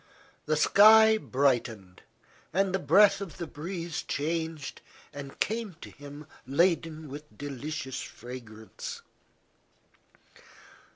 The sky brightened, and the breath of the breeze changed and came to him laden with delicious fragrance.